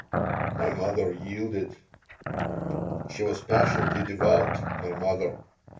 My mother yielded She was passionately devout, my mother.